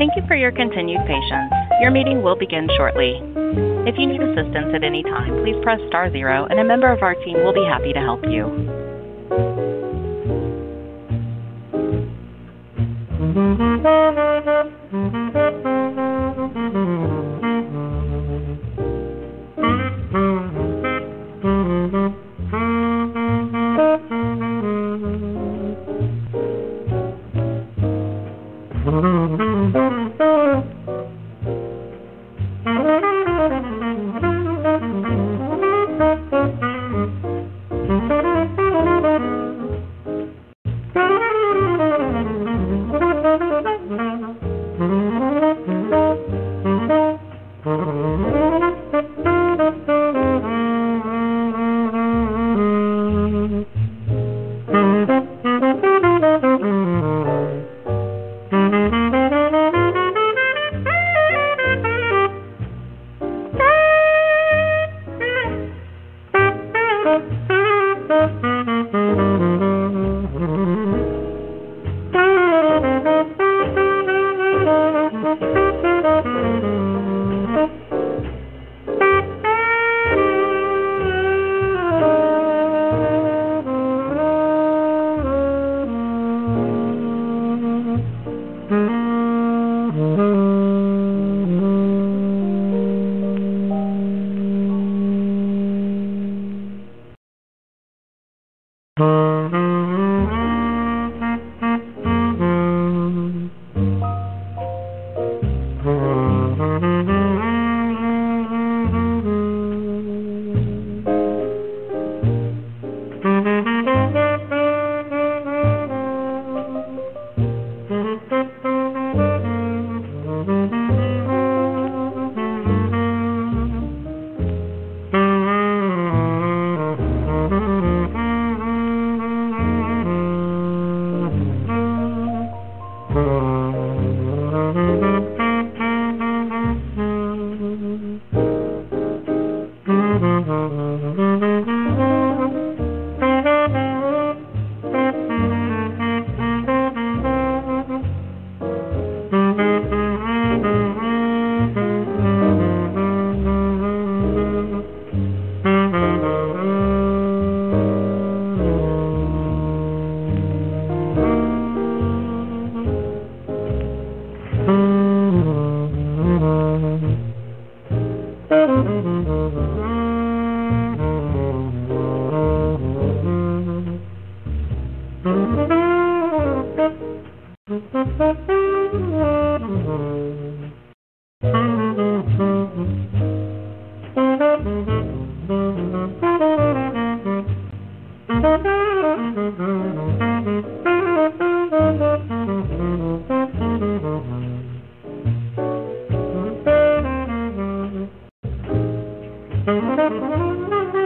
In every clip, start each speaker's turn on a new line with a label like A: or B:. A: Thank you for your continued patience. Your meeting will begin shortly. If you need assistance at any time, please press star zero, and a member of our team will be happy to help you.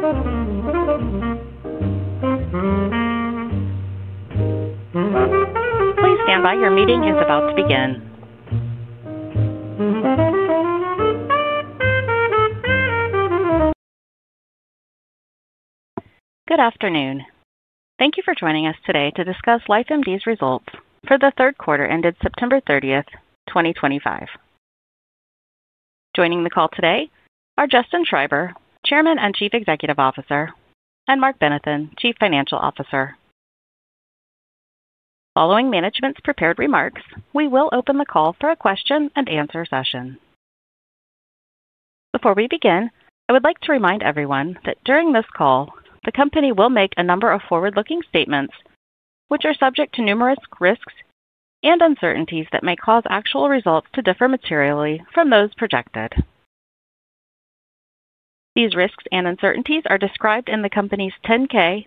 A: Please stand by, your meeting is about to begin. Good afternoon. Thank you for joining us today to discuss LifeMD's results for the third quarter ended September 30th, 2025. Joining the call today are Justin Schreiber, Chairman and Chief Executive Officer, and Marc Benathen, Chief Financial Officer. Following management's prepared remarks, we will open the call for a question-and-answer session. Before we begin, I would like to remind everyone that during this call, the company will make a number of forward-looking statements which are subject to numerous risks and uncertainties that may cause actual results to differ materially from those projected. These risks and uncertainties are described in the company's 10-K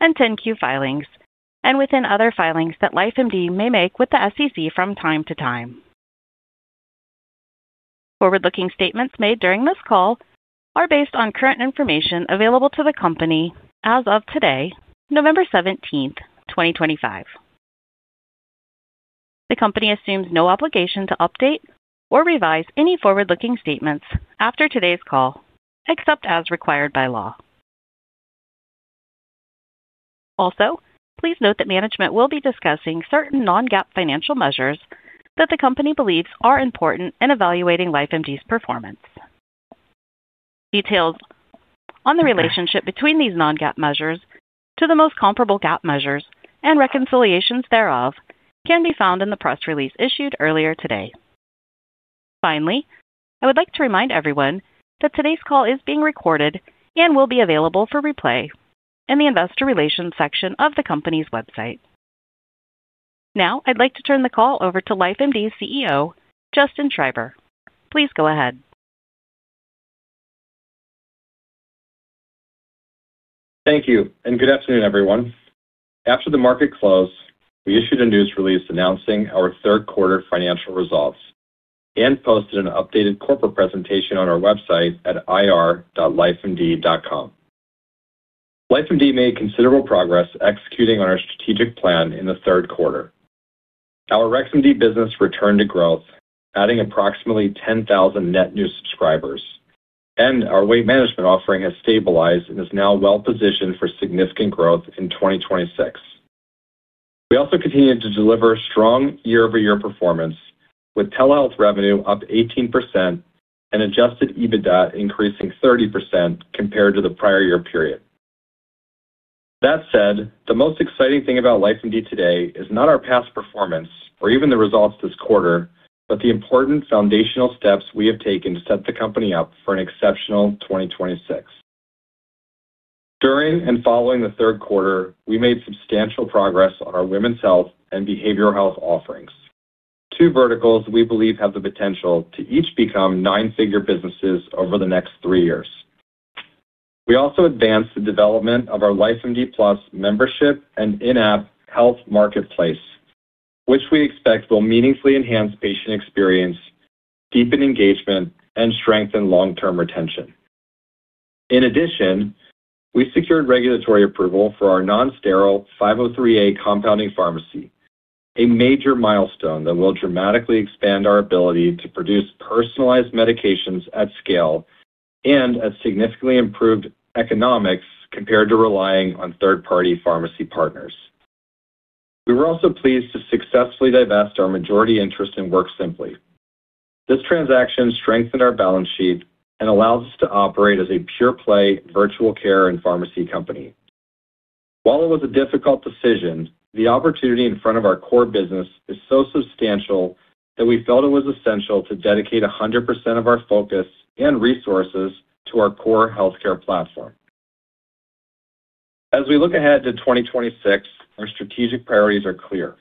A: and 10-Q filings and within other filings that LifeMD may make with the SEC from time to time. Forward-looking statements made during this call are based on current information available to the company as of today, November 17th, 2025. The company assumes no obligation to update or revise any forward-looking statements after today's call, except as required by law. Also, please note that management will be discussing certain non-GAAP financial measures that the company believes are important in evaluating LifeMD's performance. Details on the relationship between these non-GAAP measures to the most comparable GAAP measures and reconciliations thereof can be found in the press release issued earlier today. Finally, I would like to remind everyone that today's call is being recorded and will be available for replay in the investor relations section of the company's website. Now, I'd like to turn the call over to LifeMD's CEO, Justin Schreiber. Please go ahead.
B: Thank you, and good afternoon, everyone. After the market closed, we issued a news release announcing our third-quarter financial results and posted an updated corporate presentation on our website at ir.lifemd.com. LifeMD made considerable progress executing on our strategic plan in the third quarter. Our RexMD business returned to growth, adding approximately 10,000 net new subscribers, and our weight management offering has stabilized and is now well-positioned for significant growth in 2026. We also continue to deliver strong year-over-year performance, with telehealth revenue up 18% and adjusted EBITDA increasing 30% compared to the prior year period. That said, the most exciting thing about LifeMD today is not our past performance or even the results this quarter, but the important foundational steps we have taken to set the company up for an exceptional 2026. During and following the third quarter, we made substantial progress on our women's health and behavioral health offerings, two verticals we believe have the potential to each become nine-figure businesses over the next three years. We also advanced the development of our LifeMD+ membership and in-app health marketplace, which we expect will meaningfully enhance patient experience, deepen engagement, and strengthen long-term retention. In addition, we secured regulatory approval for our non-sterile 503A compounding pharmacy, a major milestone that will dramatically expand our ability to produce personalized medications at scale and at significantly improved economics compared to relying on third-party pharmacy partners. We were also pleased to successfully divest our majority interest in WorkSimpli. This transaction strengthened our balance sheet and allows us to operate as a pure-play virtual care and pharmacy company. While it was a difficult decision, the opportunity in front of our core business is so substantial that we felt it was essential to dedicate 100% of our focus and resources to our core healthcare platform. As we look ahead to 2026, our strategic priorities are clear.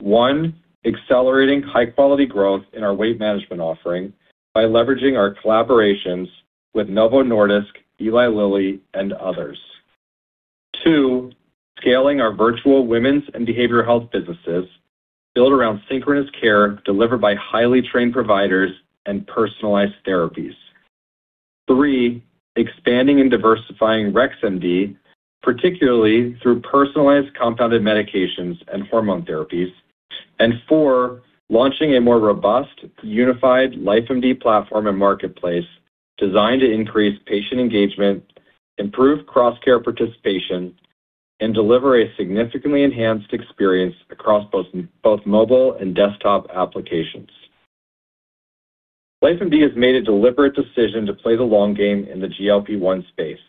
B: One, accelerating high-quality growth in our weight management offering by leveraging our collaborations with Novo Nordisk, Eli Lilly, and others. Two, scaling our virtual women's and behavioral health businesses built around synchronous care delivered by highly trained providers and personalized therapies. Three, expanding and diversifying RexMD, particularly through personalized compounded medications and hormone therapies, and four, launching a more robust, unified LifeMD platform and marketplace designed to increase patient engagement, improve cross-care participation, and deliver a significantly enhanced experience across both mobile and desktop applications. LifeMD has made a deliberate decision to play the long game in the GLP-1 space.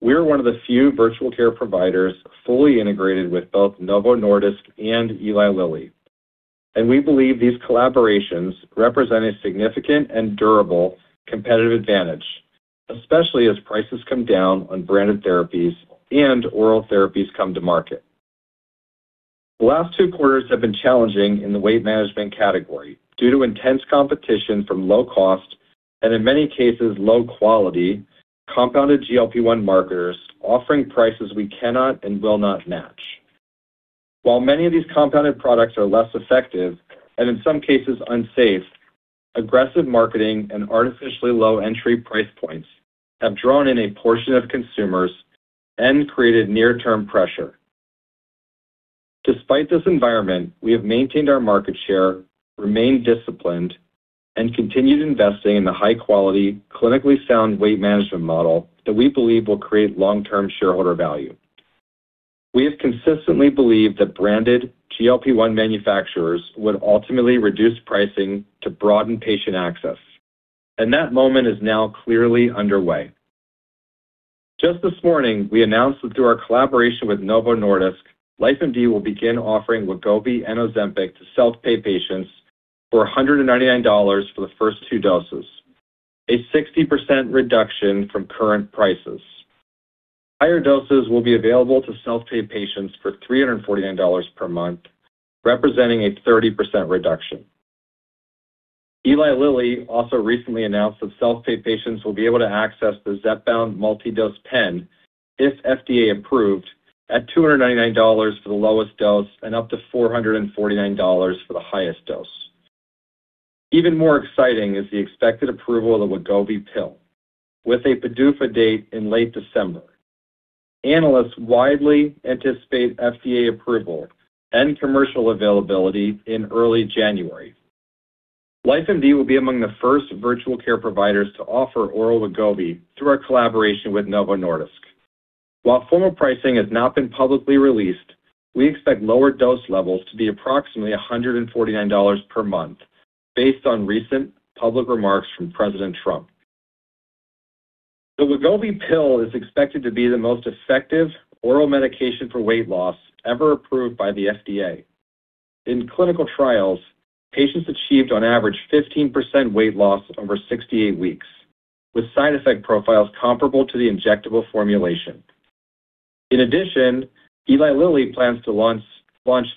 B: We are one of the few virtual care providers fully integrated with both Novo Nordisk and Eli Lilly, and we believe these collaborations represent a significant and durable competitive advantage, especially as prices come down on branded therapies and oral therapies come to market. The last two quarters have been challenging in the weight management category due to intense competition from low-cost and, in many cases, low-quality compounded GLP-1 makers offering prices we cannot and will not match. While many of these compounded products are less effective and, in some cases, unsafe, aggressive marketing and artificially low entry price points have drawn in a portion of consumers and created near-term pressure. Despite this environment, we have maintained our market share, remained disciplined, and continued investing in the high-quality, clinically sound weight management model that we believe will create long-term shareholder value. We have consistently believed that branded GLP-1 manufacturers would ultimately reduce pricing to broaden patient access, and that moment is now clearly underway. Just this morning, we announced that through our collaboration with Novo Nordisk, LifeMD will begin offering Wegovy and Ozempic to self-pay patients for $199 for the first two doses, a 60% reduction from current prices. Higher doses will be available to self-pay patients for $349 per month, representing a 30% reduction. Eli Lilly also recently announced that self-pay patients will be able to access the Zepbound multi-dose pen if FDA approved at $299 for the lowest dose and up to $449 for the highest dose. Even more exciting is the expected approval of the Wegovy pill, with a PDUFA date in late December. Analysts widely anticipate FDA approval and commercial availability in early January. LifeMD will be among the first virtual care providers to offer oral Wegovy through our collaboration with Novo Nordisk. While formal pricing has not been publicly released, we expect lower dose levels to be approximately $149 per month based on recent public remarks from President Trump. The Wegovy pill is expected to be the most effective oral medication for weight loss ever approved by the FDA. In clinical trials, patients achieved, on average, 15% weight loss over 68 weeks, with side effect profiles comparable to the injectable formulation. In addition, Eli Lilly plans to launch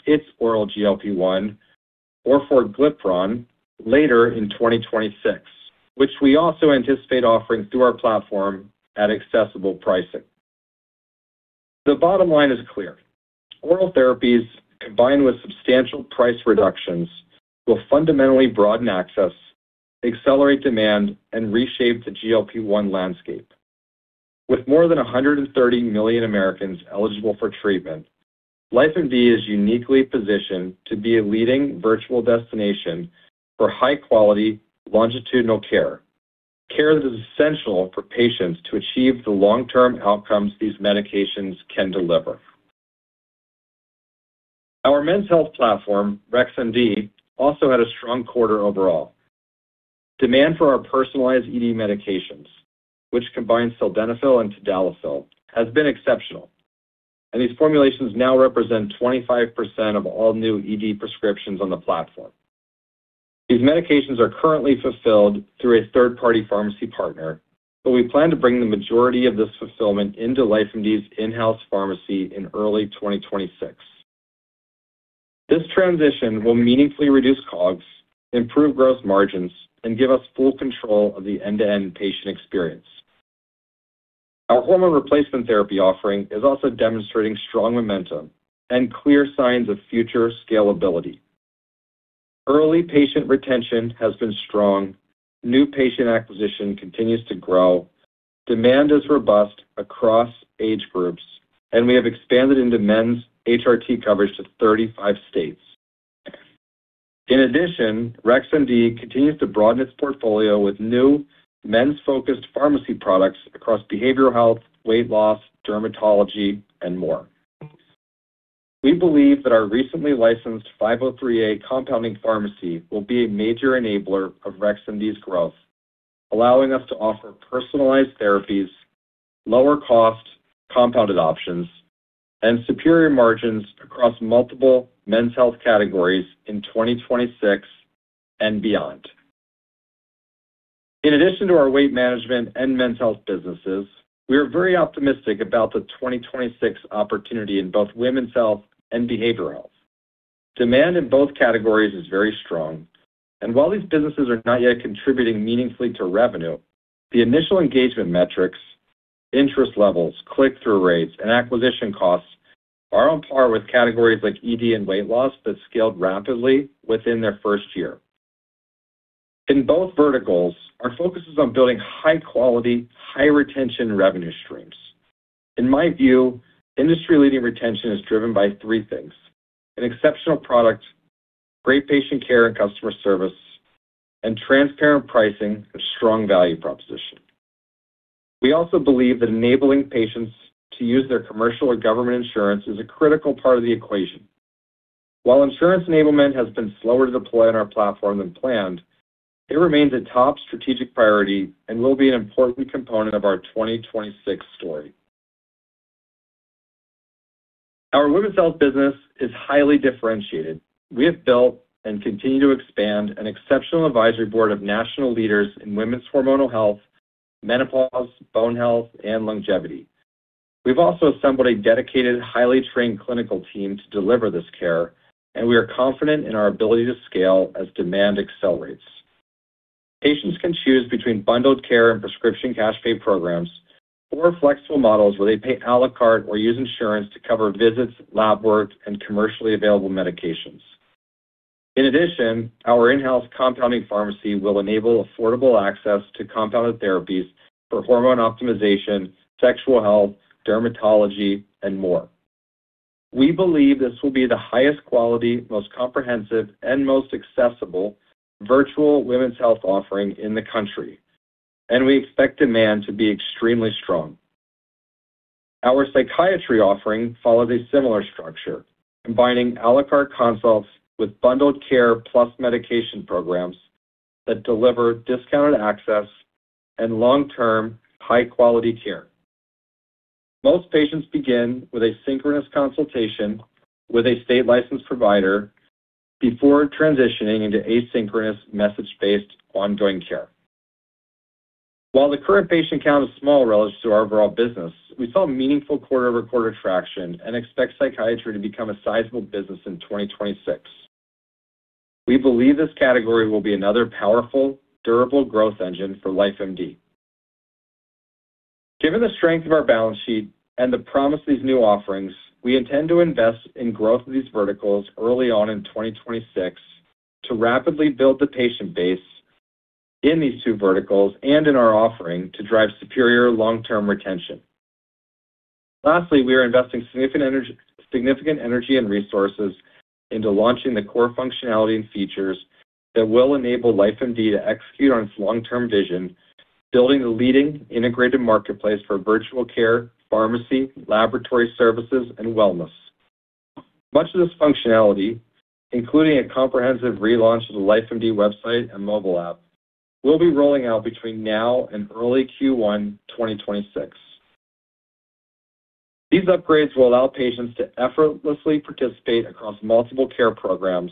B: its oral GLP-1, Orforglipron, later in 2026, which we also anticipate offering through our platform at accessible pricing. The bottom line is clear: oral therapies, combined with substantial price reductions, will fundamentally broaden access, accelerate demand, and reshape the GLP-1 landscape. With more than 130 million Americans eligible for treatment, LifeMD is uniquely positioned to be a leading virtual destination for high-quality, longitudinal care, care that is essential for patients to achieve the long-term outcomes these medications can deliver. Our men's health platform, RexMD, also had a strong quarter overall. Demand for our personalized ED medications, which combine sildenafil and tadalafil, has been exceptional, and these formulations now represent 25% of all new ED prescriptions on the platform. These medications are currently fulfilled through a third-party pharmacy partner, but we plan to bring the majority of this fulfillment into LifeMD's in-house pharmacy in early 2026. This transition will meaningfully reduce COGS, improve gross margins, and give us full control of the end-to-end patient experience. Our hormone replacement therapy offering is also demonstrating strong momentum and clear signs of future scalability. Early patient retention has been strong. New patient acquisition continues to grow. Demand is robust across age groups, and we have expanded into men's HRT coverage to 35 states. In addition, RexMD continues to broaden its portfolio with new men's-focused pharmacy products across behavioral health, weight loss, dermatology, and more. We believe that our recently licensed 503A compounding pharmacy will be a major enabler of RexMD's growth, allowing us to offer personalized therapies, lower-cost compounded options, and superior margins across multiple men's health categories in 2026 and beyond. In addition to our weight management and men's health businesses, we are very optimistic about the 2026 opportunity in both women's health and behavioral health. Demand in both categories is very strong, and while these businesses are not yet contributing meaningfully to revenue, the initial engagement metrics, interest levels, click-through rates, and acquisition costs are on par with categories like ED and weight loss that scaled rapidly within their first year. In both verticals, our focus is on building high-quality, high-retention revenue streams. In my view, industry-leading retention is driven by three things: an exceptional product, great patient care and customer service, and transparent pricing and strong value proposition. We also believe that enabling patients to use their commercial or government insurance is a critical part of the equation. While insurance enablement has been slower to deploy on our platform than planned, it remains a top strategic priority and will be an important component of our 2026 story. Our women's health business is highly differentiated. We have built and continue to expand an exceptional advisory board of national leaders in women's hormonal health, menopause, bone health, and longevity. We've also assembled a dedicated, highly trained clinical team to deliver this care, and we are confident in our ability to scale as demand accelerates. Patients can choose between bundled care and prescription cash-pay programs or flexible models where they pay à la carte or use insurance to cover visits, lab work, and commercially available medications. In addition, our in-house compounding pharmacy will enable affordable access to compounded therapies for hormone optimization, sexual health, dermatology, and more. We believe this will be the highest quality, most comprehensive, and most accessible virtual women's health offering in the country, and we expect demand to be extremely strong. Our psychiatry offering follows a similar structure, combining à la carte consults with bundled care plus medication programs that deliver discounted access and long-term, high-quality care. Most patients begin with a synchronous consultation with a state-licensed provider before transitioning into asynchronous, message-based ongoing care. While the current patient count is small relative to our overall business, we saw meaningful quarter-over-quarter traction and expect psychiatry to become a sizable business in 2026. We believe this category will be another powerful, durable growth engine for LifeMD. Given the strength of our balance sheet and the promise of these new offerings, we intend to invest in growth of these verticals early on in 2026 to rapidly build the patient base in these two verticals and in our offering to drive superior long-term retention. Lastly, we are investing significant energy and resources into launching the core functionality and features that will enable LifeMD to execute on its long-term vision, building the leading integrated marketplace for virtual care, pharmacy, laboratory services, and wellness. Much of this functionality, including a comprehensive relaunch of the LifeMD website and mobile app, will be rolling out between now and early Q1 2026. These upgrades will allow patients to effortlessly participate across multiple care programs,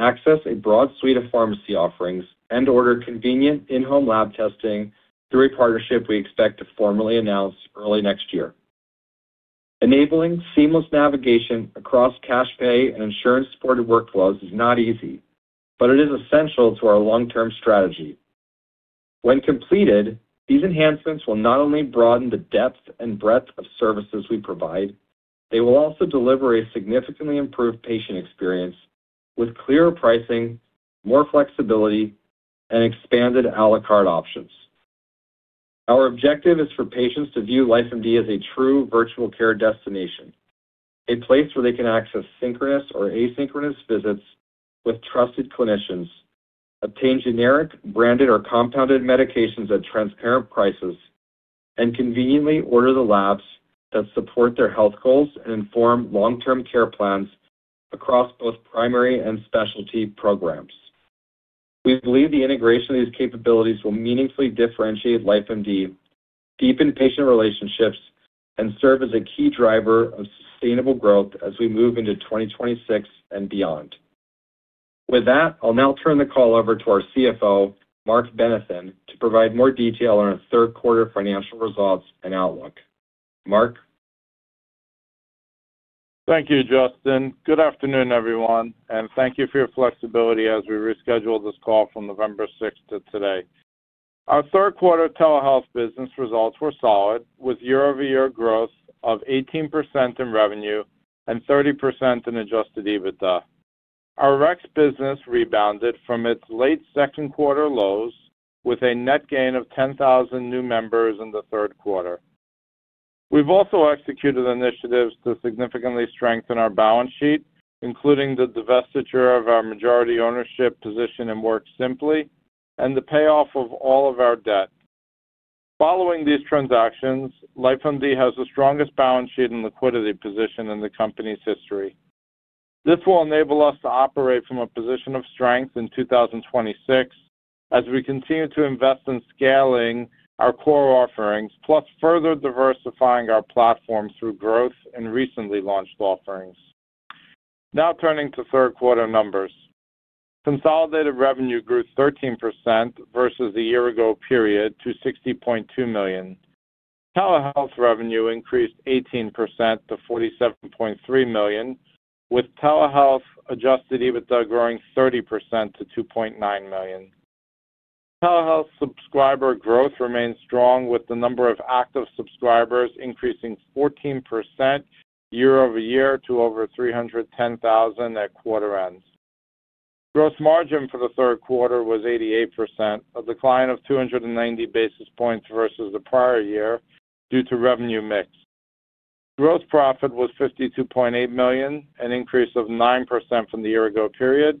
B: access a broad suite of pharmacy offerings, and order convenient in-home lab testing through a partnership we expect to formally announce early next year. Enabling seamless navigation across cash-pay and insurance-supported workflows is not easy, but it is essential to our long-term strategy. When completed, these enhancements will not only broaden the depth and breadth of services we provide, they will also deliver a significantly improved patient experience with clearer pricing, more flexibility, and expanded à la carte options. Our objective is for patients to view LifeMD as a true virtual care destination, a place where they can access synchronous or asynchronous visits with trusted clinicians, obtain generic, branded, or compounded medications at transparent prices, and conveniently order the labs that support their health goals and inform long-term care plans across both primary and specialty programs. We believe the integration of these capabilities will meaningfully differentiate LifeMD, deepen patient relationships, and serve as a key driver of sustainable growth as we move into 2026 and beyond. With that, I'll now turn the call over to our CFO, Marc Benathen, to provide more detail on our third-quarter financial results and outlook. Marc?
C: Thank you, Justin. Good afternoon, everyone, and thank you for your flexibility as we rescheduled this call from November 6 to today. Our third-quarter telehealth business results were solid, with year-over-year growth of 18% in revenue and 30% in adjusted EBITDA. Our RexMD business rebounded from its late second-quarter lows with a net gain of 10,000 new members in the third quarter. We've also executed initiatives to significantly strengthen our balance sheet, including the divestiture of our majority ownership position in WorkSimpli and the payoff of all of our debt. Following these transactions, LifeMD has the strongest balance sheet and liquidity position in the company's history. This will enable us to operate from a position of strength in 2026 as we continue to invest in scaling our core offerings, plus further diversifying our platform through growth in recently launched offerings. Now turning to third-quarter numbers, consolidated revenue grew 13% versus a year-ago period to $60.2 million. Telehealth revenue increased 18% to $47.3 million, with telehealth adjusted EBITDA growing 30% to $2.9 million. Telehealth subscriber growth remained strong, with the number of active subscribers increasing 14% year-over-year to over 310,000 at quarter end. Gross margin for the third quarter was 88%, a decline of 290 basis points versus the prior year due to revenue mix. Gross profit was $52.8 million, an increase of 9% from the year-ago period.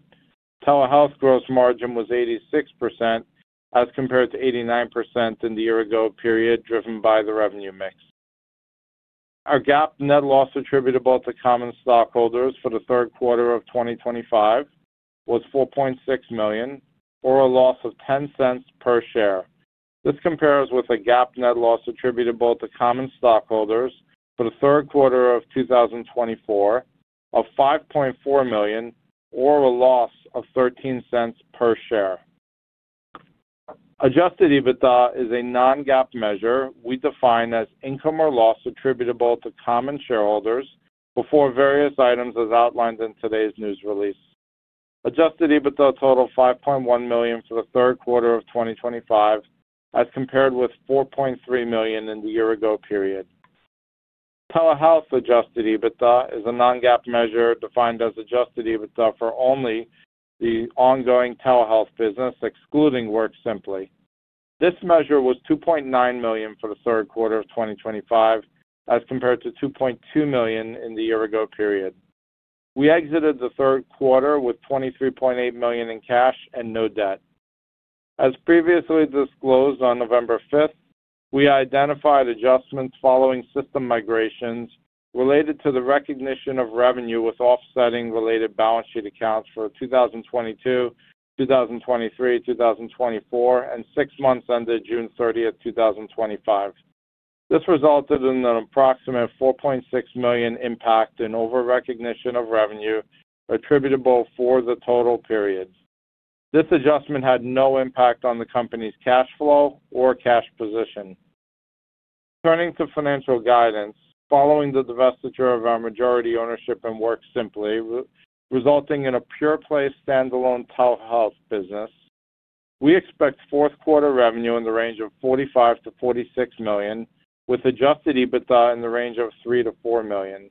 C: Telehealth gross margin was 86% as compared to 89% in the year-ago period, driven by the revenue mix. Our GAAP net loss attributable to common stockholders for the third quarter of 2025 was $4.6 million, or a loss of $0.10 per share. This compares with a GAAP net loss attributable to common stockholders for the third quarter of 2024 of $5.4 million, or a loss of $0.13 per share. Adjusted EBITDA is a non-GAAP measure we define as income or loss attributable to common shareholders before various items as outlined in today's news release. Adjusted EBITDA totaled $5.1 million for the third quarter of 2025 as compared with $4.3 million in the year-ago period. Telehealth adjusted EBITDA is a non-GAAP measure defined as adjusted EBITDA for only the ongoing telehealth business, excluding WorkSimpli. This measure was $2.9 million for the third quarter of 2025 as compared to $2.2 million in the year-ago period. We exited the third quarter with $23.8 million in cash and no debt. As previously disclosed on November 5th, we identified adjustments following system migrations related to the recognition of revenue with offsetting related balance sheet accounts for 2022, 2023, 2024, and six months ended June 30th, 2025. This resulted in an approximate $4.6 million impact in over-recognition of revenue attributable for the total period. This adjustment had no impact on the company's cash flow or cash position. Turning to financial guidance, following the divestiture of our majority ownership in WorkSimpli, resulting in a pure-play standalone telehealth business, we expect fourth-quarter revenue in the range of $45 million-$46 million, with adjusted EBITDA in the range of $3 million-$4 million.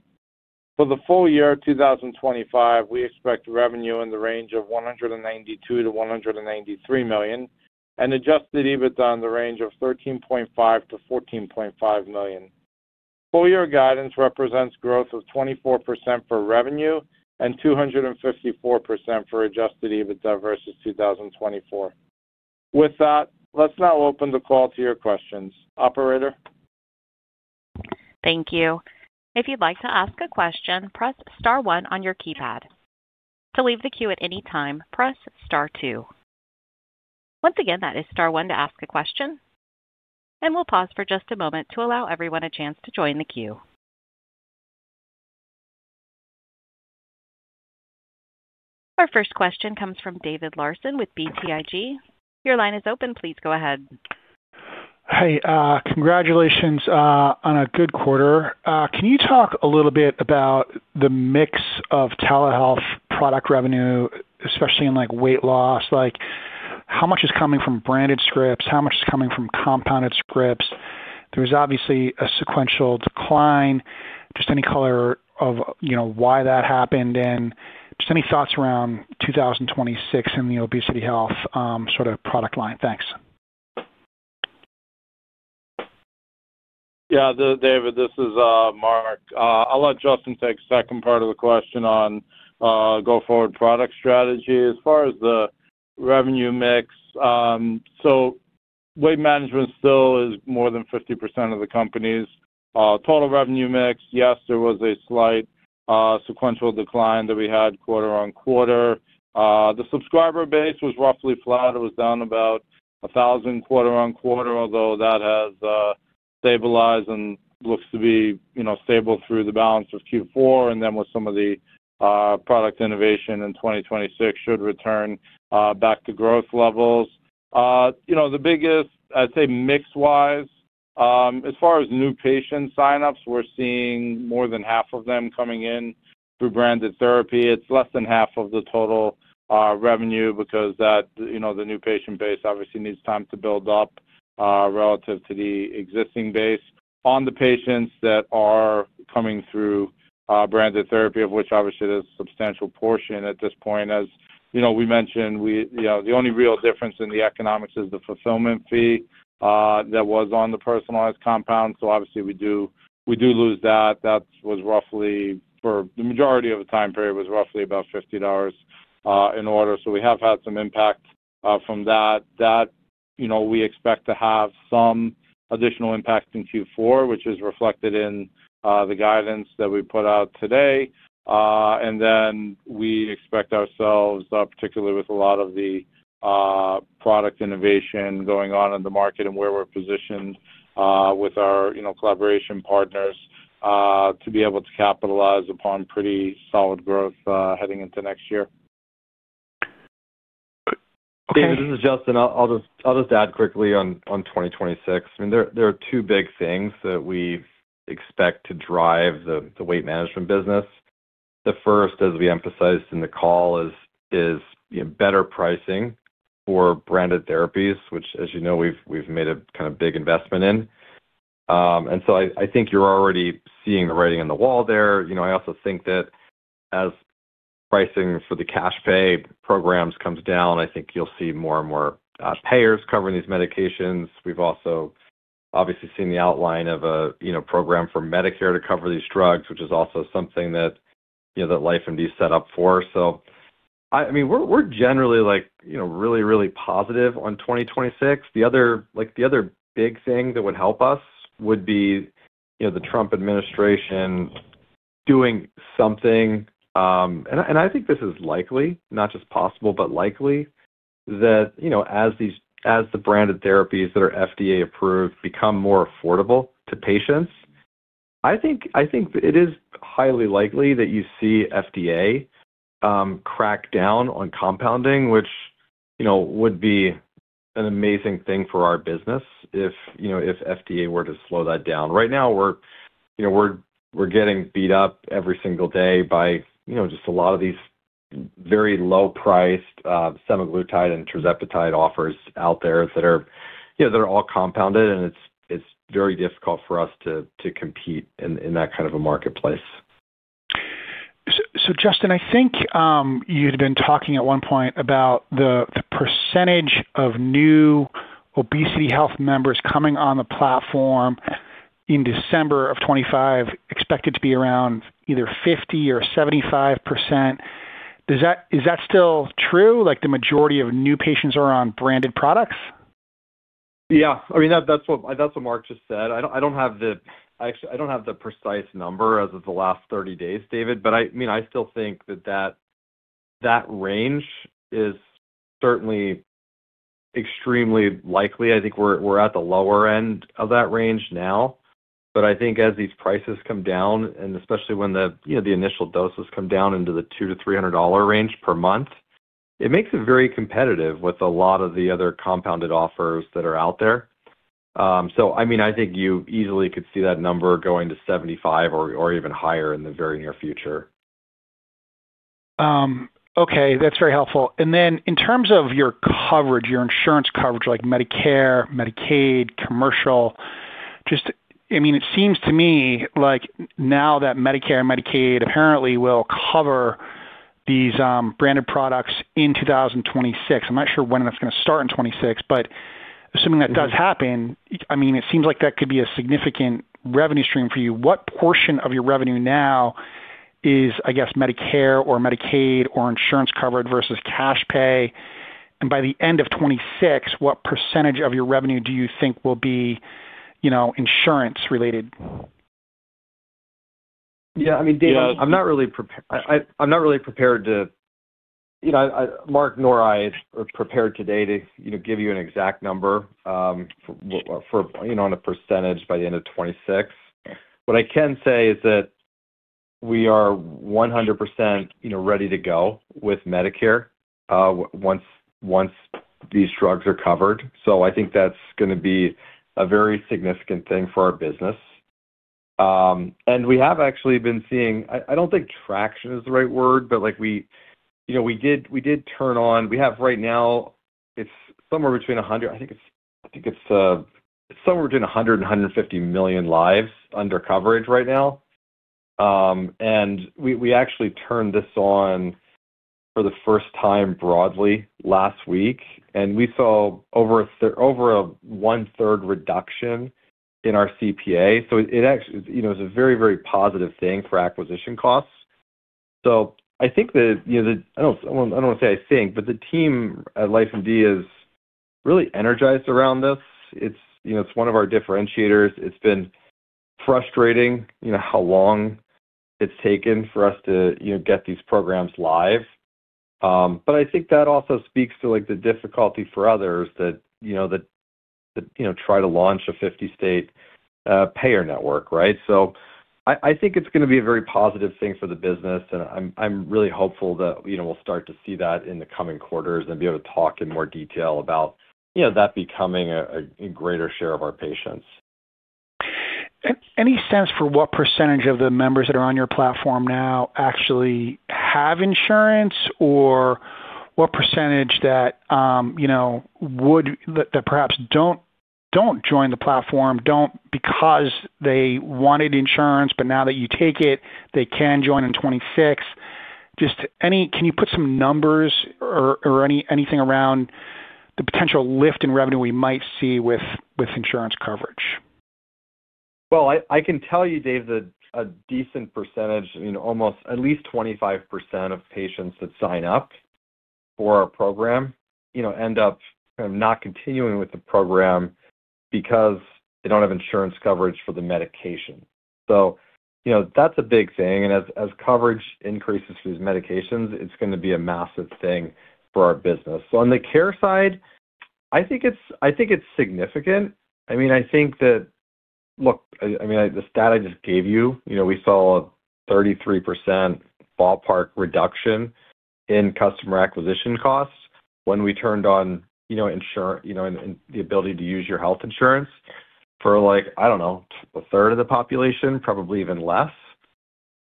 C: For the full year of 2025, we expect revenue in the range of $192 million-$193 million, and adjusted EBITDA in the range of $13.5 million-$14.5 million. Full-year guidance represents growth of 24% for revenue and 254% for adjusted EBITDA versus 2024. With that, let's now open the call to your questions, Operator.
A: Thank you. If you'd like to ask a question, press Star 1 on your keypad. To leave the queue at any time, press star two. Once again, that is star one to ask a question. We'll pause for just a moment to allow everyone a chance to join the queue. Our first question comes from David Larsen with BTIG. Your line is open. Please go ahead.
D: Hey, congratulations on a good quarter. Can you talk a little bit about the mix of telehealth product revenue, especially in weight loss? How much is coming from branded scripts? How much is coming from compounded scripts? There was obviously a sequential decline. Just any color of why that happened and just any thoughts around 2026 and the obesity health sort of product line. Thanks.
C: Yeah, David, this is Marc. I'll let Justin take the second part of the question on go-forward product strategy. As far as the revenue mix, so weight management still is more than 50% of the company's total revenue mix. Yes, there was a slight sequential decline that we had quarter on quarter. The subscriber base was roughly flat. It was down about 1,000 quarter on quarter, although that has stabilized and looks to be stable through the balance of Q4. And then with some of the product innovation in 2026, should return back to growth levels. The biggest, I'd say, mix-wise, as far as new patient signups, we're seeing more than half of them coming in through branded therapy. It's less than half of the total revenue because the new patient base obviously needs time to build up relative to the existing base on the patients that are coming through branded therapy, of which obviously there's a substantial portion at this point. As we mentioned, the only real difference in the economics is the fulfillment fee that was on the personalized compound. Obviously, we do lose that. That was roughly for the majority of the time period, was roughly about $50 an order. We have had some impact from that. We expect to have some additional impact in Q4, which is reflected in the guidance that we put out today. We expect ourselves, particularly with a lot of the product innovation going on in the market and where we are positioned with our collaboration partners, to be able to capitalize upon pretty solid growth heading into next year.
B: Okay. This is Justin. I'll just add quickly on 2026. I mean, there are two big things that we expect to drive the weight management business. The first, as we emphasized in the call, is better pricing for branded therapies, which, as you know, we have made a kind of big investment in. I think you are already seeing the writing on the wall there. I also think that as pricing for the cash-pay programs comes down, I think you will see more and more payers covering these medications. We've also obviously seen the outline of a program for Medicare to cover these drugs, which is also something that LifeMD set up for. I mean, we're generally really, really positive on 2026. The other big thing that would help us would be the Trump administration doing something. I think this is likely, not just possible, but likely that as the branded therapies that are FDA-approved become more affordable to patients, I think it is highly likely that you see FDA crack down on compounding, which would be an amazing thing for our business if FDA were to slow that down. Right now, we're getting beat up every single day by just a lot of these very low-priced semaglutide and tirzepatide offers out there that are all compounded, and it's very difficult for us to compete in that kind of a marketplace.
D: Justin, I think you had been talking at one point about the percentage of new obesity health members coming on the platform in December of 2025, expected to be around either 50% or 75%. Is that still true? The majority of new patients are on branded products?
B: Yeah. I mean, that's what Marc just said. I don't have the—I don't have the precise number as of the last 30 days, David, but I mean, I still think that that range is certainly extremely likely. I think we're at the lower end of that range now. I think as these prices come down, and especially when the initial doses come down into the $200-$300 range per month, it makes it very competitive with a lot of the other compounded offers that are out there. I mean, I think you easily could see that number going to 75 or even higher in the very near future.
D: Okay. That's very helpful. In terms of your coverage, your insurance coverage, like Medicare, Medicaid, commercial, just, I mean, it seems to me like now that Medicare and Medicaid apparently will cover these branded products in 2026. I'm not sure when that's going to start in 2026, but assuming that does happen, I mean, it seems like that could be a significant revenue stream for you. What portion of your revenue now is, I guess, Medicare or Medicaid or insurance covered versus cash-pay? By the end of 2026, what percentage of your revenue do you think will be insurance-related?
B: Yeah. I mean, David, I'm not really prepared to—Marc nor I are prepared today to give you an exact number on a percentage by the end of 2026. What I can say is that we are 100% ready to go with Medicare once these drugs are covered. I think that's going to be a very significant thing for our business. We have actually been seeing—I don't think traction is the right word, but we did turn on—we have right now, it's somewhere between 100—I think it's somewhere between 100 million and 150 million lives under coverage right now. We actually turned this on for the first time broadly last week, and we saw over a one-third reduction in our CPA. It's a very, very positive thing for acquisition costs. I think that—I do not want to say I think, but the team at LifeMD is really energized around this. It is one of our differentiators. It has been frustrating how long it has taken for us to get these programs live. I think that also speaks to the difficulty for others that try to launch a 50-state payer network, right? I think it is going to be a very positive thing for the business, and I am really hopeful that we will start to see that in the coming quarters and be able to talk in more detail about that becoming a greater share of our patients.
D: Any sense for what percentage of the members that are on your platform now actually have insurance, or what percentage that perhaps do not join the platform because they wanted insurance, but now that you take it, they can join in 2026? Just can you put some numbers or anything around the potential lift in revenue we might see with insurance coverage?
B: I can tell you, David, that a decent percentage, at least 25% of patients that sign up for our program end up kind of not continuing with the program because they do not have insurance coverage for the medication. That is a big thing. As coverage increases for these medications, it is going to be a massive thing for our business. On the care side, I think it is significant. I mean, I think that—I mean, the stat I just gave you, we saw a 33% ballpark reduction in customer acquisition costs when we turned on the ability to use your health insurance for, I do not know, a third of the population, probably even less.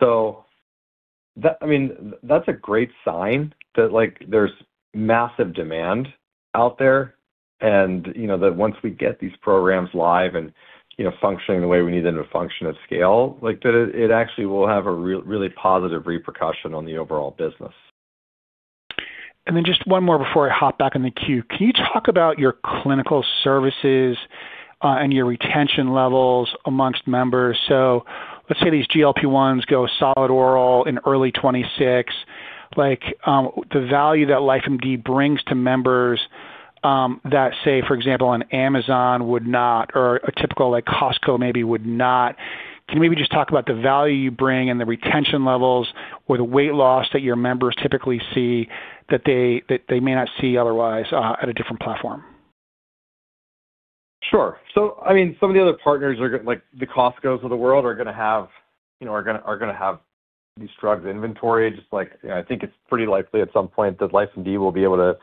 B: I mean, that's a great sign that there's massive demand out there and that once we get these programs live and functioning the way we need them to function at scale, it actually will have a really positive repercussion on the overall business.
D: Just one more before I hop back in the queue. Can you talk about your clinical services and your retention levels amongst members? Let's say these GLP-1s go solid oral in early 2026. The value that LifeMD brings to members that, say, for example, an Amazon would not, or a typical Costco maybe would not. Can you maybe just talk about the value you bring and the retention levels or the weight loss that your members typically see that they may not see otherwise at a different platform?
B: Sure. I mean, some of the other partners, like the Costcos of the world, are going to have these drugs inventory. I think it's pretty likely at some point that LifeMD will be able to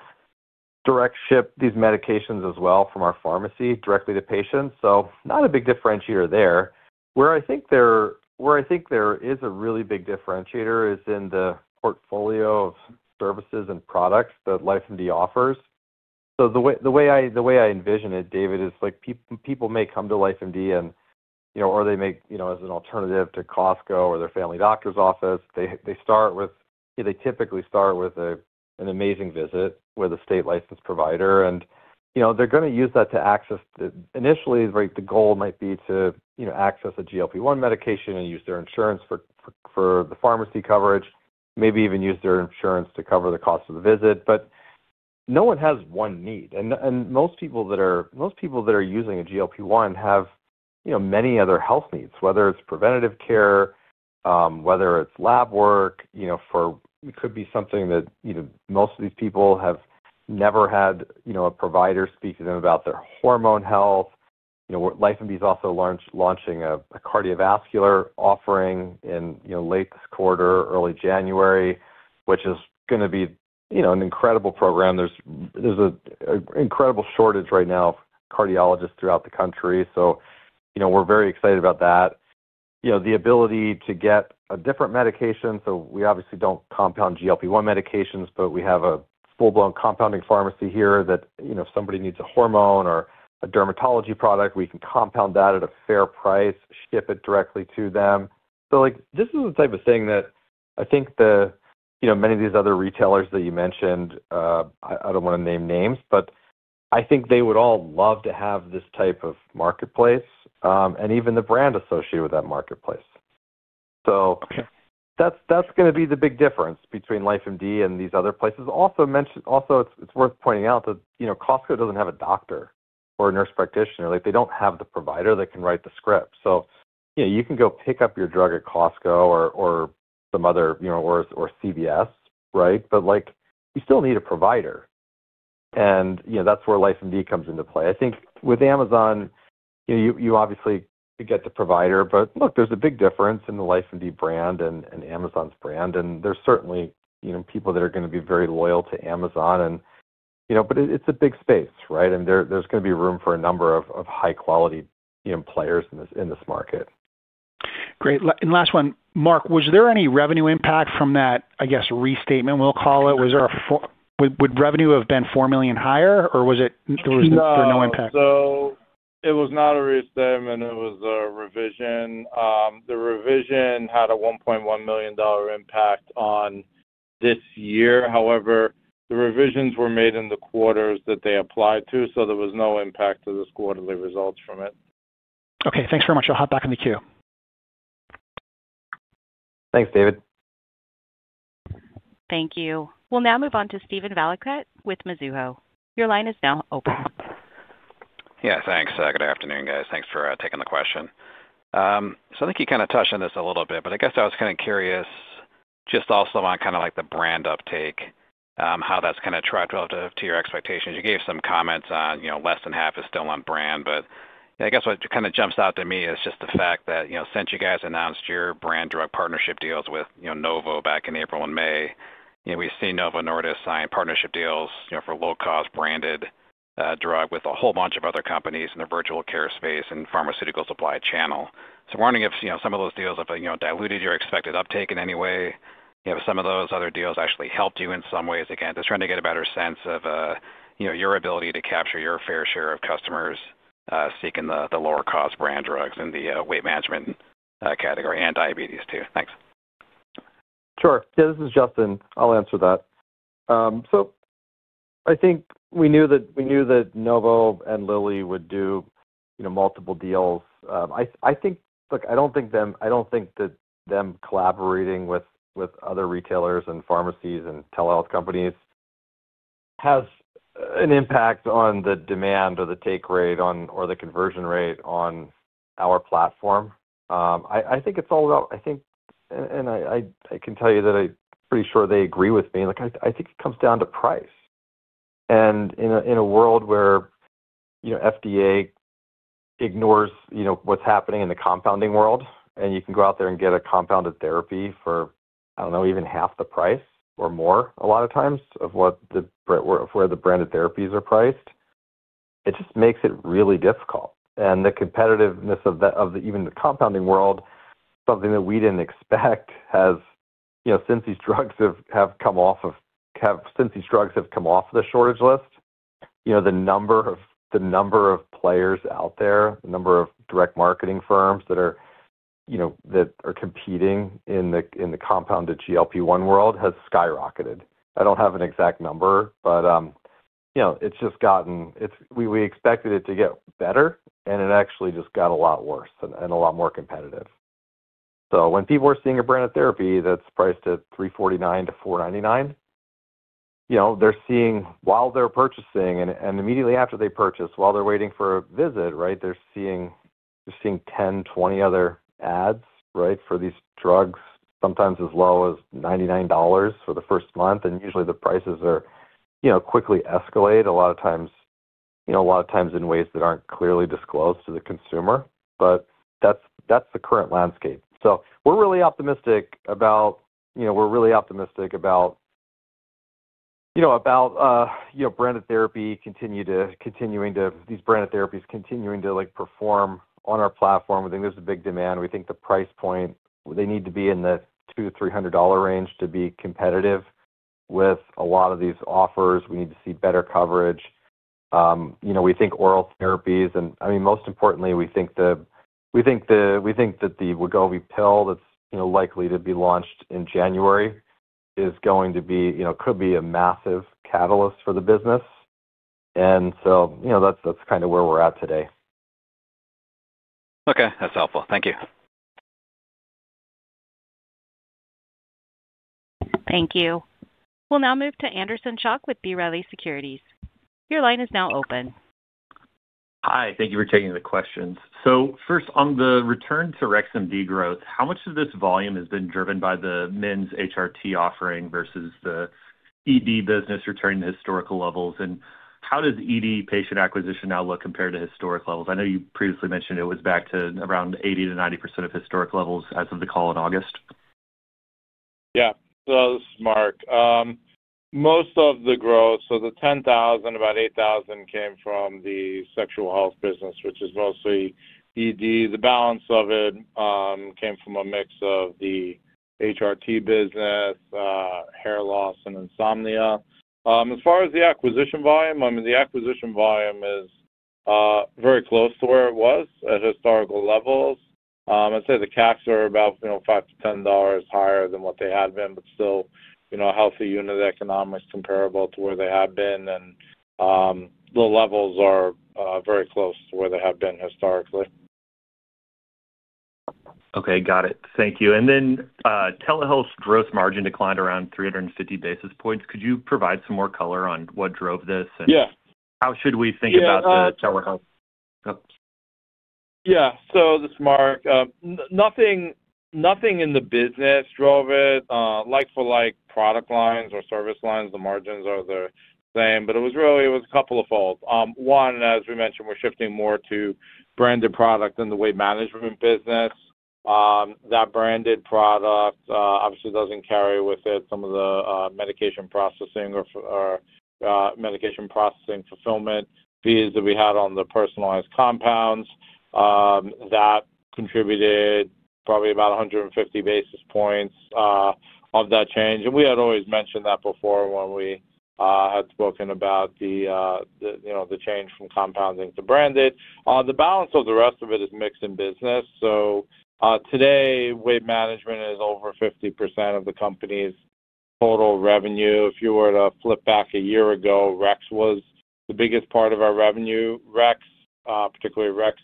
B: direct ship these medications as well from our pharmacy directly to patients. Not a big differentiator there. Where I think there is a really big differentiator is in the portfolio of services and products that LifeMD offers. The way I envision it, David, is people may come to LifeMD, or they may, as an alternative to Costco or their family doctor's office, they start with—they typically start with an amazing visit with a state licensed provider. They're going to use that to access—initially, the goal might be to access a GLP-1 medication and use their insurance for the pharmacy coverage, maybe even use their insurance to cover the cost of the visit. No one has one need. Most people that are using a GLP-1 have many other health needs, whether it's preventative care, whether it's lab work for—it could be something that most of these people have never had a provider speak to them about their hormone health. LifeMD is also launching a cardiovascular offering in late this quarter, early January, which is going to be an incredible program. There's an incredible shortage right now of cardiologists throughout the country. We're very excited about that. The ability to get a different medication—so we obviously do not compound GLP-1 medications, but we have a full-blown compounding pharmacy here that if somebody needs a hormone or a dermatology product, we can compound that at a fair price, ship it directly to them. This is the type of thing that I think many of these other retailers that you mentioned—I do not want to name names, but I think they would all love to have this type of marketplace and even the brand associated with that marketplace. That is going to be the big difference between LifeMD and these other places. Also, it is worth pointing out that Costco does not have a doctor or a nurse practitioner. They do not have the provider that can write the script. You can go pick up your drug at Costco or some other—or CVS, right? You still need a provider. That's where LifeMD comes into play. I think with Amazon, you obviously could get the provider, but look, there's a big difference in the LifeMD brand and Amazon's brand. There's certainly people that are going to be very loyal to Amazon. It's a big space, right? There's going to be room for a number of high-quality players in this market.
D: Great. Last one, Marc, was there any revenue impact from that, I guess, restatement, we'll call it? Would revenue have been $4 million higher, or was it—there was no impact?
C: No. It was not a restatement. It was a revision. The revision had a $1.1 million impact on this year. However, the revisions were made in the quarters that they applied to, so there was no impact to the quarterly results from it.
D: Okay. Thanks very much. I'll hop back in the queue.
B: Thanks, David.
A: Thank you. We'll now move on to Steven Valiquette with Mizuho. Your line is now open.
E: Yeah. Thanks. Good afternoon, guys. Thanks for taking the question. I think you kind of touched on this a little bit, but I guess I was kind of curious just also on kind of the brand uptake, how that's kind of tracked relative to your expectations. You gave some comments on less than half is still on brand, but I guess what kind of jumps out to me is just the fact that since you guys announced your brand drug partnership deals with Novo back in April and May, we've seen Novo Nordisk sign partnership deals for low-cost branded drug with a whole bunch of other companies in the virtual care space and pharmaceutical supply channel. I'm wondering if some of those deals have diluted your expected uptake in any way, if some of those other deals actually helped you in some ways. Again, just trying to get a better sense of your ability to capture your fair share of customers seeking the lower-cost brand drugs in the weight management category and diabetes too. Thanks.
B: Sure. Yeah. This is Justin. I'll answer that. I think we knew that Novo and Lilly would do multiple deals. I think, look, I don't think that them collaborating with other retailers and pharmacies and telehealth companies has an impact on the demand or the take rate or the conversion rate on our platform. I think it's all about—I think, and I can tell you that I'm pretty sure they agree with me. I think it comes down to price. In a world where the FDA ignores what's happening in the compounding world, and you can go out there and get a compounded therapy for, I don't know, even half the price or more a lot of times of where the branded therapies are priced, it just makes it really difficult. The competitiveness of even the compounding world, something that we didn't expect, has—since these drugs have come off of—since these drugs have come off of the shortage list, the number of players out there, the number of direct marketing firms that are competing in the compounded GLP-1 world has skyrocketed. I don't have an exact number, but it's just gotten—we expected it to get better, and it actually just got a lot worse and a lot more competitive. When people are seeing a branded therapy that's priced at $349-$499, they're seeing, while they're purchasing and immediately after they purchase, while they're waiting for a visit, they're seeing 10-20 other ads for these drugs, sometimes as low as $99 for the first month. Usually, the prices quickly escalate, a lot of times in ways that aren't clearly disclosed to the consumer. That's the current landscape. We're really optimistic about branded therapy continuing to, these branded therapies continuing to perform on our platform. We think there's a big demand. We think the price point, they need to be in the $200-$300 range to be competitive with a lot of these offers. We need to see better coverage. We think oral therapies—I mean, most importantly, we think the—we think that the Wegovy pill that's likely to be launched in January is going to be—could be a massive catalyst for the business. That's kind of where we're at today.
E: Okay. That's helpful. Thank you.
A: Thank you. We'll now move to Anderson Shock with B. Riley Securities. Your line is now open.
F: Hi. Thank you for taking the questions. First, on the return to RexMD growth, how much of this volume has been driven by the men's HRT offering versus the ED business returning to historical levels? How does ED patient acquisition now look compared to historic levels? I know you previously mentioned it was back to around 80%-90% of historic levels as of the call in August.
C: Yeah. This is Marc. Most of the growth—so the 10,000, about 8,000 came from the sexual health business, which is mostly ED. The balance of it came from a mix of the HRT business, hair loss, and insomnia. As far as the acquisition volume, I mean, the acquisition volume is very close to where it was at historical levels. I'd say the CACs are about $5-$10 higher than what they had been, but still a healthy unit of economics comparable to where they had been. And the levels are very close to where they have been historically.
F: Okay. Got it. Thank you. And then telehealth's gross margin declined around 350 basis points. Could you provide some more color on what drove this and how should we think about the telehealth?
C: Yeah. So this is Marc. Nothing in the business drove it. Like-for-like product lines or service lines, the margins are the same. It was really—it was a couple of folds. One, as we mentioned, we're shifting more to branded product than the weight management business. That branded product obviously doesn't carry with it some of the medication processing or medication processing fulfillment fees that we had on the personalized compounds. That contributed probably about 150 basis points of that change. We had always mentioned that before when we had spoken about the change from compounding to branded. The balance of the rest of it is mixed in business. Today, weight management is over 50% of the company's total revenue. If you were to flip back a year ago, Rex was the biggest part of our revenue. Rex, particularly Rex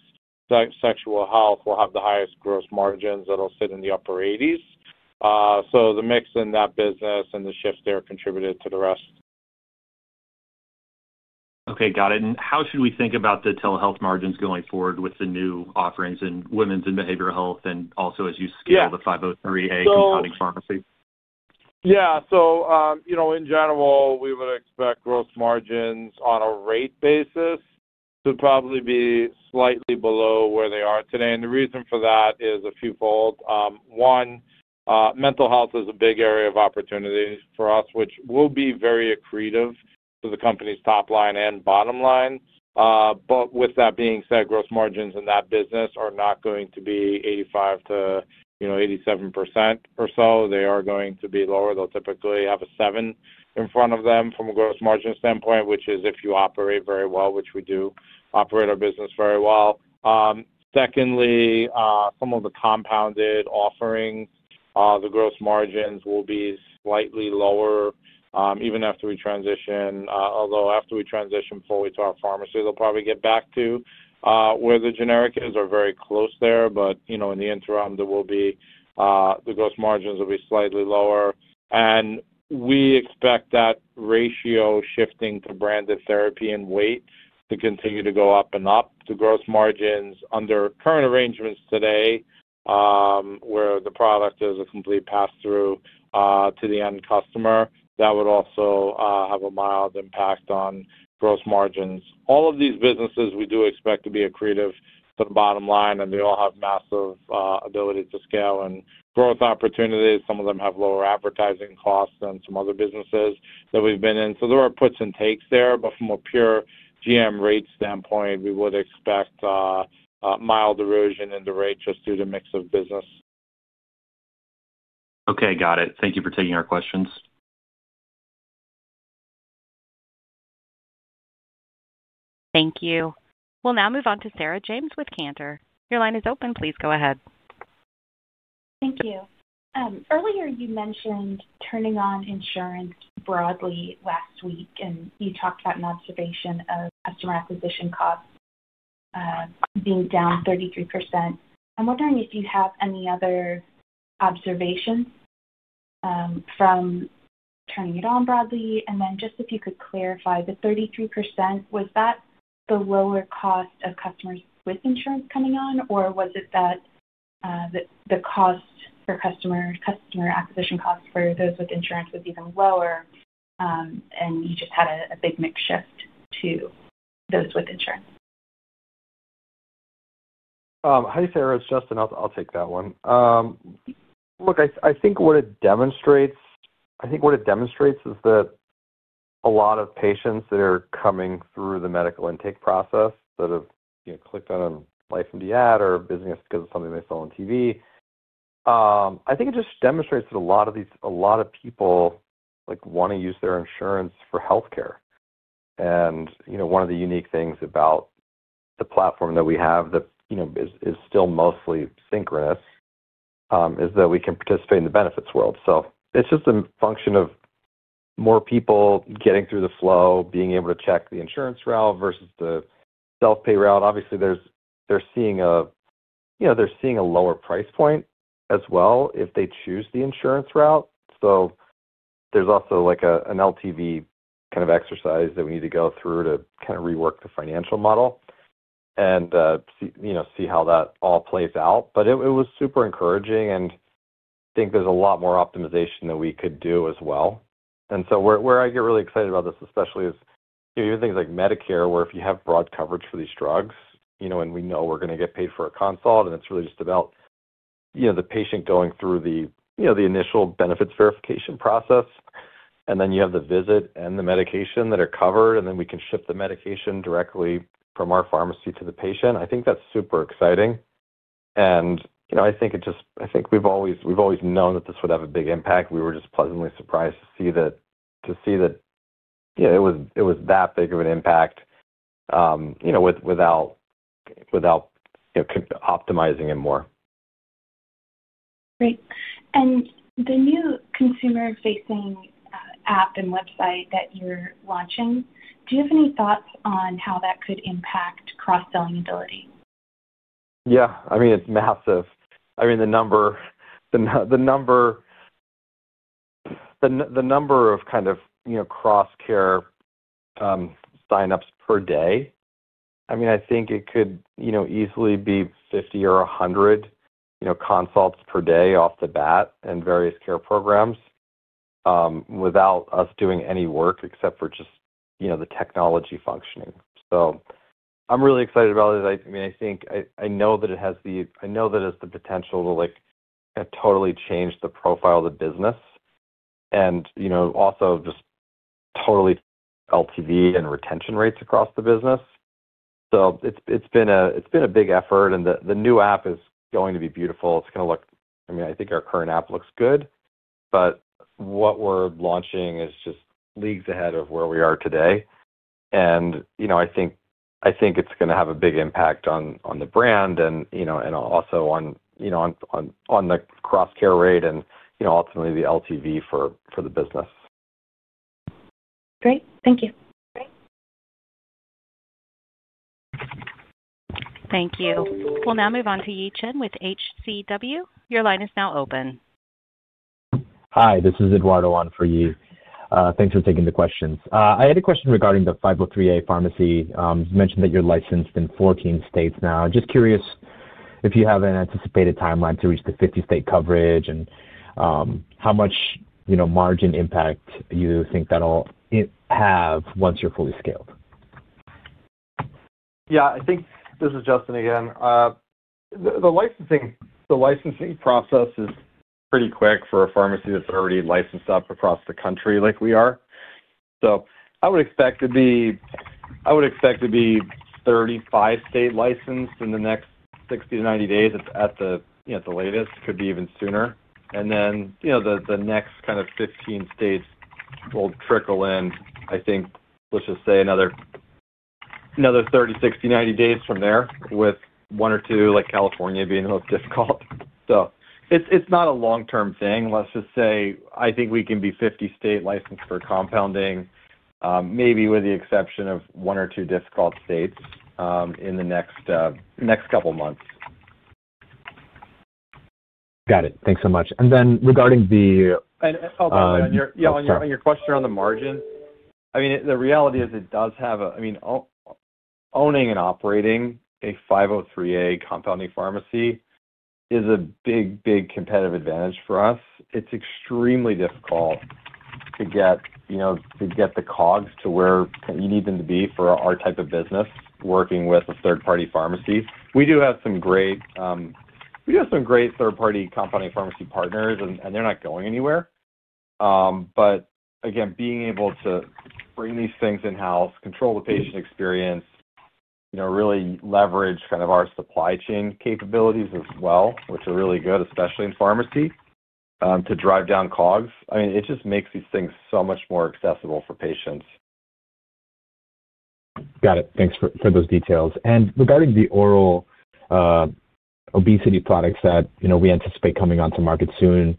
C: Sexual Health, will have the highest gross margins that'll sit in the upper 80s. The mix in that business and the shift there contributed to the rest.
F: Okay. Got it. How should we think about the telehealth margins going forward with the new offerings in women's and behavioral health and also as you scale the 503A compounding pharmacy?
C: Yeah. In general, we would expect gross margins on a rate basis to probably be slightly below where they are today. The reason for that is a few fold. One, mental health is a big area of opportunity for us, which will be very accretive to the company's top line and bottom line. With that being said, gross margins in that business are not going to be 85%-87% or so. They are going to be lower. They'll typically have a 7 in front of them from a gross margin standpoint, which is if you operate very well, which we do operate our business very well. Secondly, some of the compounded offerings, the gross margins will be slightly lower even after we transition. Although after we transition fully to our pharmacy, they'll probably get back to where the generic is or very close there. In the interim, the gross margins will be slightly lower. We expect that ratio shifting to branded therapy and weight to continue to go up and up. The gross margins under current arrangements today, where the product is a complete pass-through to the end customer, that would also have a mild impact on gross margins. All of these businesses, we do expect to be accretive to the bottom line, and they all have massive ability to scale and growth opportunities. Some of them have lower advertising costs than some other businesses that we've been in. There are puts and takes there. From a pure GM rate standpoint, we would expect mild erosion in the rate just due to mix of business.
F: Okay. Got it. Thank you for taking our questions.
A: Thank you. We'll now move on to Sarah James with Cantor. Your line is open. Please go ahead.
G: Thank you. Earlier, you mentioned turning on insurance broadly last week, and you talked about an observation of customer acquisition costs being down 33%. I'm wondering if you have any other observations from turning it on broadly. If you could clarify, the 33%, was that the lower cost of customers with insurance coming on, or was it that the customer acquisition cost for those with insurance was even lower, and you just had a big mix shift to those with insurance?
B: Hey, Sarah, it's Justin. I'll take that one. Look, I think what it demonstrates—I think what it demonstrates is that a lot of patients that are coming through the medical intake process that have clicked on LifeMD yet or business because of something they saw on TV, I think it just demonstrates that a lot of people want to use their insurance for healthcare. One of the unique things about the platform that we have that is still mostly synchronous is that we can participate in the benefits world. It is just a function of more people getting through the flow, being able to check the insurance route versus the self-pay route. Obviously, they are seeing a lower price point as well if they choose the insurance route. There is also an LTV kind of exercise that we need to go through to kind of rework the financial model and see how that all plays out. It was super encouraging, and I think there is a lot more optimization that we could do as well. Where I get really excited about this, especially, is even things like Medicare, where if you have broad coverage for these drugs and we know we're going to get paid for a consult, and it's really just about the patient going through the initial benefits verification process, and then you have the visit and the medication that are covered, and then we can ship the medication directly from our pharmacy to the patient. I think that's super exciting. I think it just—I think we've always known that this would have a big impact. We were just pleasantly surprised to see that it was that big of an impact without optimizing it more.
G: Great. The new consumer-facing app and website that you're launching, do you have any thoughts on how that could impact cross-selling ability?
B: Yeah. I mean, it's massive. I mean, the number of kind of cross-care signups per day, I mean, I think it could easily be 50 or 100 consults per day off the bat and various care programs without us doing any work except for just the technology functioning. I am really excited about it. I mean, I think I know that it has the—I know that it has the potential to totally change the profile of the business and also just totally LTV and retention rates across the business. It has been a big effort, and the new app is going to be beautiful. It is going to look—I mean, I think our current app looks good, but what we are launching is just leagues ahead of where we are today. I think it is going to have a big impact on the brand and also on the cross-care rate and ultimately the LTV for the business.
G: Great. Thank you.
A: Thank you. We'll now move on to Yi Chen with H.C. Wainwright. Your line is now open.
H: Hi. This is Eduardo on for Yi. Thanks for taking the questions. I had a question regarding the 503A pharmacy. You mentioned that you're licensed in 14 states now. Just curious if you have an anticipated timeline to reach the 50-state coverage and how much margin impact you think that'll have once you're fully scaled.
B: Yeah. I think this is Justin again. The licensing process is pretty quick for a pharmacy that's already licensed up across the country like we are. I would expect to be 35-state licensed in the next 60-90 days at the latest. It could be even sooner. The next kind of 15 states will trickle in, I think, let's just say another 30-60-90 days from there with one or two, like California being a little difficult. It is not a long-term thing. Let's just say I think we can be 50-state licensed for compounding, maybe with the exception of one or two difficult states in the next couple of months.
H: Got it. Thanks so much. Regarding the—.
B: And I'll go in on your—yeah, on your question around the margin. I mean, the reality is it does have a—I mean, owning and operating a 503A compounding pharmacy is a big, big competitive advantage for us. It's extremely difficult to get the COGS to where you need them to be for our type of business working with a third-party pharmacy. We do have some great—we do have some great third-party compounding pharmacy partners, and they're not going anywhere. Again, being able to bring these things in-house, control the patient experience, really leverage kind of our supply chain capabilities as well, which are really good, especially in pharmacy, to drive down COGS. I mean, it just makes these things so much more accessible for patients.
H: Got it. Thanks for those details. Regarding the oral obesity products that we anticipate coming onto market soon,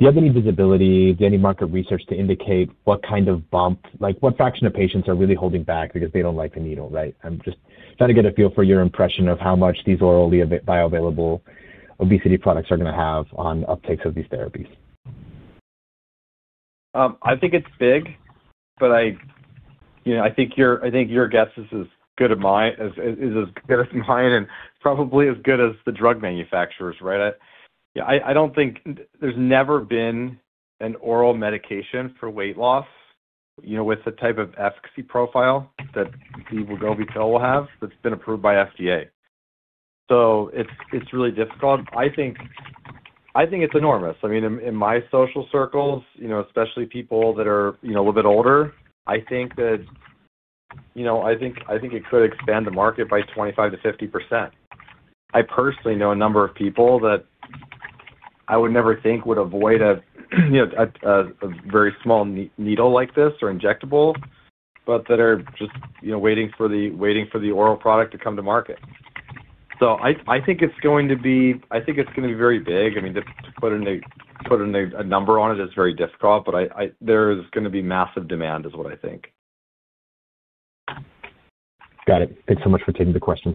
H: do you have any visibility, any market research to indicate what kind of bump, what fraction of patients are really holding back because they don't like the needle, right? I'm just trying to get a feel for your impression of how much these orally bioavailable obesity products are going to have on uptakes of these therapies.
B: I think it's big, but I think your guess is as good as mine and probably as good as the drug manufacturers, right? I don't think there's ever been an oral medication for weight loss with the type of efficacy profile that the Wegovy pill will have that's been approved by the FDA. It's really difficult. I think it's enormous. I mean, in my social circles, especially people that are a little bit older, I think it could expand the market by 25%-50%. I personally know a number of people that I would never think would avoid a very small needle like this or injectable, but that are just waiting for the oral product to come to market. I think it's going to be very big. I mean, to put a number on it is very difficult, but there's going to be massive demand is what I think.
H: Got it. Thanks so much for taking the questions.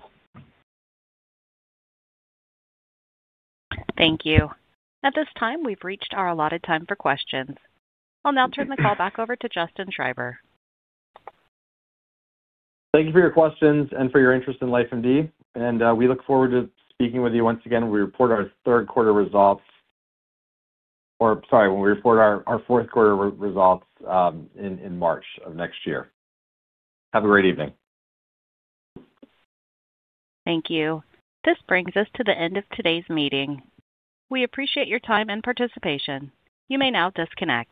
A: Thank you. At this time, we've reached our allotted time for questions. I'll now turn the call back over to Justin Schreiber.
B: Thank you for your questions and for your interest in LifeMD. We look forward to speaking with you once again when we report our third quarter results, or sorry, when we report our fourth quarter results in March of next year. Have a great evening.
A: Thank you. This brings us to the end of today's meeting. We appreciate your time and participation. You may now disconnect.